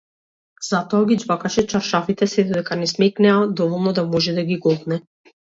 Затоа ги џвакаше чаршафите сѐ додека не смекнеа доволно да може да ги голтне.